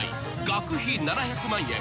［学費７００万円